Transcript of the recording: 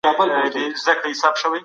دا هغه کتاب دی چي په کوډینګ کي مرسته کوي.